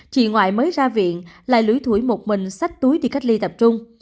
chị ngoại mới ra viện lại lưỡi thủy một mình sách túi đi cách ly tập trung